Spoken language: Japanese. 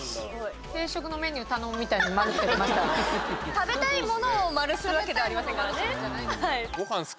食べたいものを丸するわけではありませんからね。